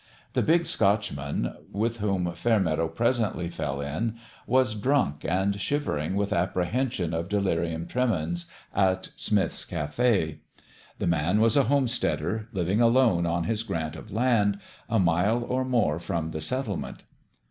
The Big Scotchman, with whom Fairmeadow presently fell in, was drunk ON THE GRADE 217 and shivering with apprehension of delirium tremens, at Smith's Cafe. The man was a home steader, living alone on his grant of land, a mile or more from the settlement.